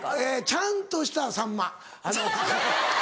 ちゃんとしたさんま。